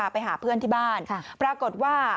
ไปหาเพื่อนที่บ้านปรากฏว่า